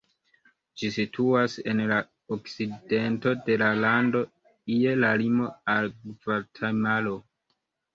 Ĝi situas en la okcidento de la lando, je la limo al Gvatemalo.